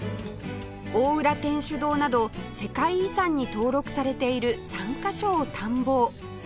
大浦天主堂など世界遺産に登録されている３カ所を探訪